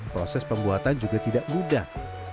proses pembuatan juga tidak mudah